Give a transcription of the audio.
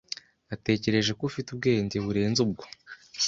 Natekereje ko ufite ubwenge burenze ubwo.